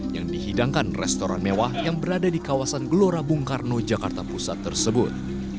yang dihidangkan restoran mewah yang berada di kawasan gelora bung karno jakarta pusat tersebut